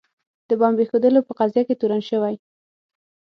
د بمب ایښودلو په قضیه کې تورن شوي.